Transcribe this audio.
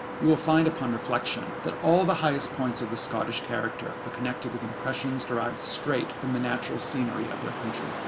You will find upon reflection, that all the highest points of the Scottish character are connected with impressions derived straight from the natural scenery of their country.